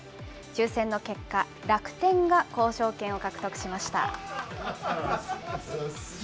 抽せんの結果、楽天が交渉権を獲得しました。